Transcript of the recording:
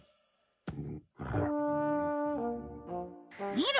見ろ！